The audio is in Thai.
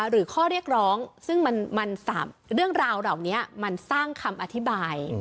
หรือข้อเรียกร้องซึ่งเรื่องราวเหล่านี้มันสร้างคำอธิบาย